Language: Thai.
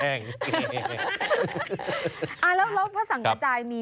มันจะมีแต่ความสุขเงินไหลมาเทมา